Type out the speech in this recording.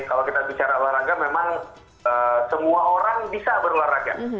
kalau kita bicara olahraga memang semua orang bisa berolahraga